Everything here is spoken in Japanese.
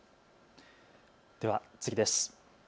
では、次です。